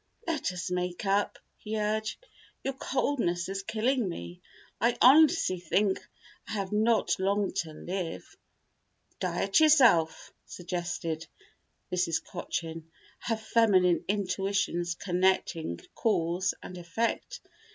"Let us make up," he urged. "Your coldness is killing me. I honestly think I have not long to live." "Diet yourself," suggested Mrs. Cochin, her feminine intuitions connecting cause and effect.